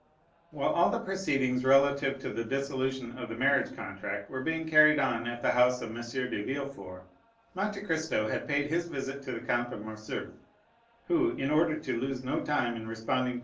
While all the proceedings relative to the dissolution of the marriage contract were being carried on at the house of M. de Villefort, Monte Cristo had paid his visit to the Count of Morcerf, who, in order to lose no time in responding to M.